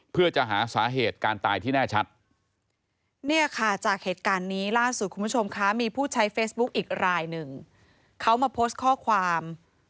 เขามาโพสต์ข้อความ